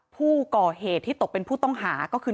ผู้ก่อเหตุที่ตกเป็นผู้ต้องหาก็คือ